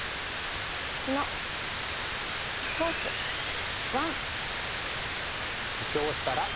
「石のフォース１」。